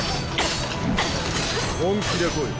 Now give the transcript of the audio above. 本気で来い。